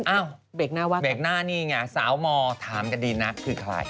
อ้าวเบรกหน้าว่ะนี่ไงสาวมอร์ถามกันดีนักคือใคร